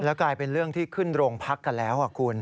แล้วกลายเป็นเรื่องที่ขึ้นโรงพักกันแล้วคุณ